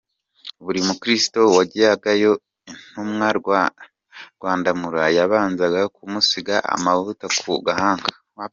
Buri mukristo wajyagayo Intumwa Rwandamura yabanzaga kumusiga amavuta ku gahanga.